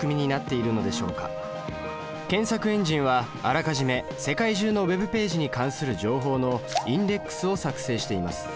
検索エンジンはあらかじめ世界中のＷｅｂページに関する情報のインデックスを作成しています。